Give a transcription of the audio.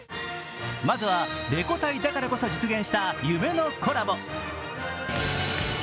まずはレコ大だからこそ実現した夢のコラボ。